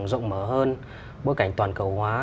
bối cảnh rộng mở hơn bối cảnh toàn cầu hóa